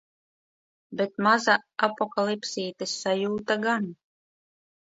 Bet maza apokalipsītes sajūta gan.